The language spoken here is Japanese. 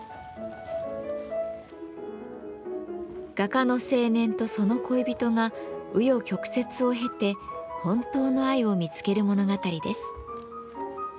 画家の青年とその恋人がう余曲折を経て本当の愛を見つける物語です。